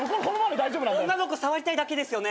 女の子触りたいだけですよね？